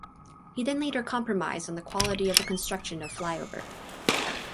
He then later compromised on the quality of the construction of flyover.